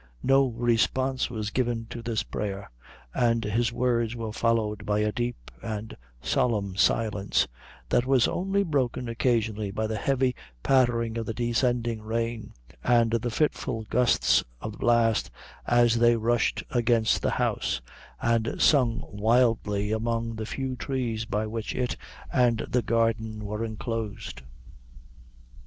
No response was given to this prayer, and his words were followed by a deep and solemn silence, that was only broken occasionally by the heavy pattering of the descending rain, and the fitful gusts of the blast, as they rushed against the house, and sung wildly among the few trees by which it and the garden were enclosed.